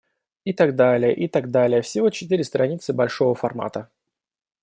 И так далее, и так далее, всего четыре страницы большого формата.